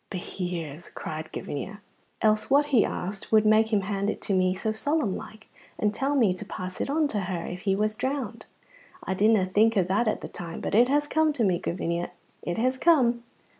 "Behear's!" cried Gavinia. "Else what," he asked, "would make him hand it to me so solemn like, and tell me to pass it on to her if he was drowned? I didna think o' that at the time, but it has come to me, Gavinia; it has come."